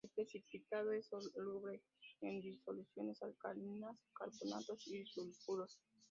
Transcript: El precipitado es soluble en disoluciones alcalinas, carbonatos y sulfuros.